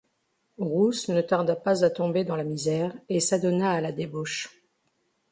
Roos ne tarda pas à tomber dans la misère et s’adonna à la débauche.